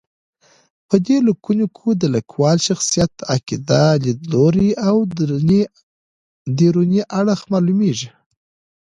په دې لیکنو کې د لیکوال شخصیت، عقیده، لید لوری او دروني اړخ معلومېږي.